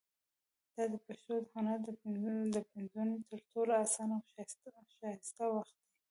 دا د پښتنو د هنر پنځونې تر ټولو اسانه او ښایسته وخت دی.